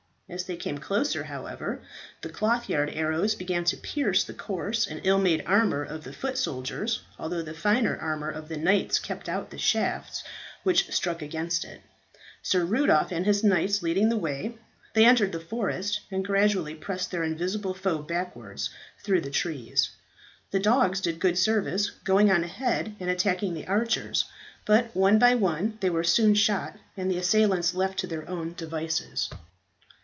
As they came closer, however, the clothyard arrows began to pierce the coarse and ill made armour of the foot soldiers, although the finer armour of the knight kept out the shafts which struck against it. Sir Rudolph and his knights leading the way, they entered the forest, and gradually pressed their invisible foe backwards through the trees. The dogs did good service, going on ahead and attacking the archers; but, one by one, they were soon shot, and the assailants left to their own devices.